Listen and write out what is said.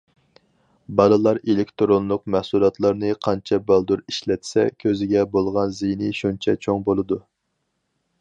بالىلار ئېلېكتىرونلۇق مەھسۇلاتلارنى قانچە بالدۇر ئىشلەتسە، كۆزىگە بولغان زىيىنى شۇنچە چوڭ بولىدۇ.